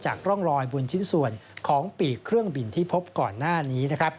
ร่องรอยบนชิ้นส่วนของปีกเครื่องบินที่พบก่อนหน้านี้